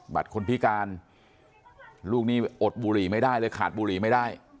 คนพิการลูกนี้อดบุหรี่ไม่ได้เลยขาดบุหรี่ไม่ได้